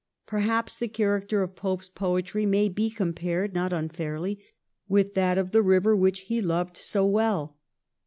Perhaps the character of Pope's poetry may be compared not unfairly with that of the river which he loved so well.